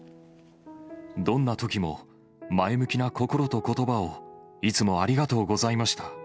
どんなときも、前向きな心とことばをいつもありがとうございました。